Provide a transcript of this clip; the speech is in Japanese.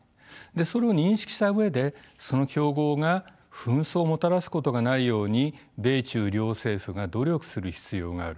それを認識した上でその競合が紛争をもたらすことがないように米中両政府が努力する必要がある。